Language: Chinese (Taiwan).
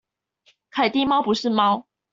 凱蒂貓不是貓